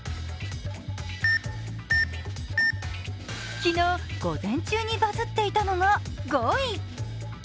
昨日、午前中にバズっていたのが５位。